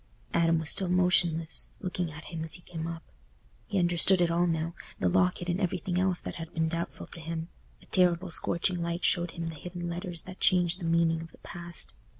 Adam was still motionless, looking at him as he came up. He understood it all now—the locket and everything else that had been doubtful to him: a terrible scorching light showed him the hidden letters that changed the meaning of the past.